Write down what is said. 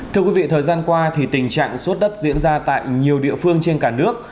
thưa quý vị thời gian qua thì tình trạng xuất đất diễn ra tại nhiều địa phương trên cả nước